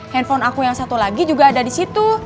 handphone aku yang satu lagi juga ada disitu